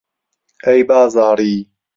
ئەی بازاڕی